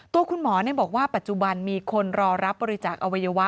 ตัวคุณหมอบอกว่าปัจจุบันมีคนรอรับบริจาคอวัยวะ